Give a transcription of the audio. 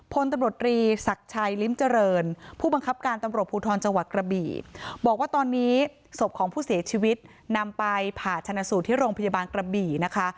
พลตำรวจรีศักดิ์ชัยลิ้มเจริญผู้บังคับการตำรวจภูทรจังหวัดกระบี่บอกว่าตอนนี้ศพของผู้เสียชีวิตนำไปผ่าชนะสูตรที่โรงพยาบาลกระบี่นะคะ